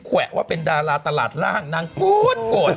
แวะว่าเป็นดาราตลาดร่างนางโกรธโกรธ